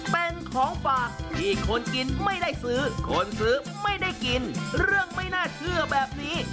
เป็นของฝากที่คนกินไม่ได้ซื้อคนซื้อไม่ได้กินเรื่องไม่น่าเชื่อแบบนี้